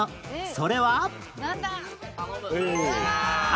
それは